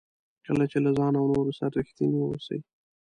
کله چې له ځان او نورو سره ریښتیني واوسئ.